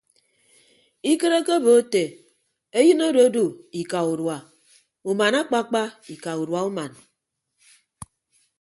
Ikịt ekebo ete eyịn ododu ika udua uman akpakpa ika udua uman.